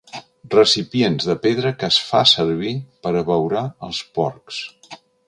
Recipients de pedra que es fa servir per abeurar els porcs.